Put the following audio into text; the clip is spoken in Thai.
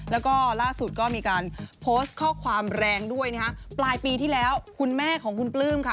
แล้วก็ล่าสุดก็มีการโพสต์ข้อความแรงด้วยนะคะปลายปีที่แล้วคุณแม่ของคุณปลื้มค่ะ